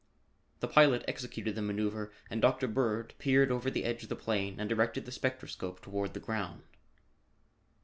The pilot executed the maneuver and Dr. Bird peered over the edge of the plane and directed the spectroscope toward the ground.